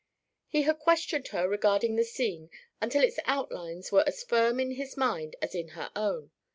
He had questioned her regarding the scene until its outlines were as firm in his mind as in her own.